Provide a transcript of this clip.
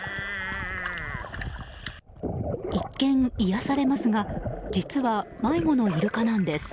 一見、癒やされますが実は迷子のイルカなんです。